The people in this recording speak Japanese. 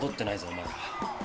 お前ら。